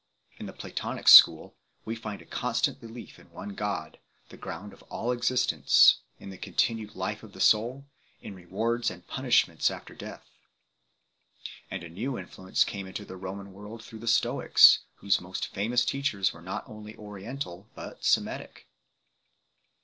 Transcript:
In the Platonic school we find a constant belief in /ne God, the ground of all exist ence, in the continued life of the soul, in rewards and punishments after death. And a new influence came into the Roman world through the Stoics, whose most famous teachers were not only Oriental but Semitic.